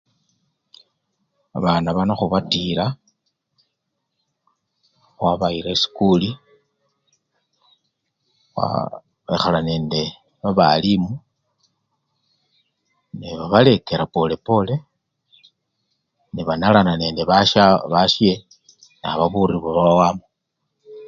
Babana bano khubatila khwabayila esikuli, khwa! khwekhala nende babalimu nebabalekela polepole nebanalana nende basyabwe! basye naba buri bubawamo.